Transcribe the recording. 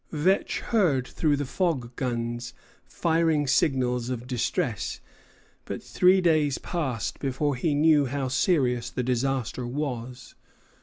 Vetch heard through the fog guns firing signals of distress; but three days passed before he knew how serious the disaster was.